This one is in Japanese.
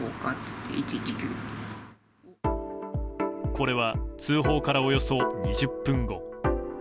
これは通報からおよそ２０分後。